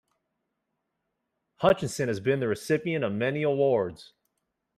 Hutchison has been the recipient of many awards.